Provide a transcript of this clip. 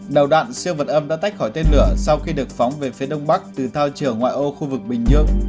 đầu đoạn siêu vật âm đã tách khỏi tên lửa sau khi được phóng về phía đông bắc từ thao trường ngoại ô khu vực bình nhưỡng